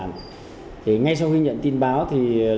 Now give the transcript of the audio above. ngay sau khi nhận tin báo thôn nghĩa tân bớt hoàng màng lo sợ